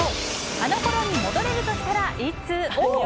あのころに戻れるとしたらいつ？